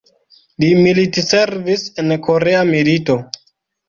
Li militservis en Korea milito.